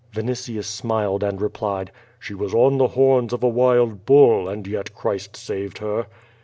Vinitius smiled and replied: "She was on tho horns of a wild bull, and yet Christ saved her."